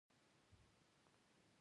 احتیاط شرط دی